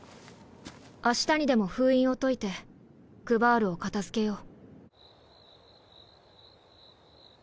明日にでも封印を解いてクヴァールを片付けよう。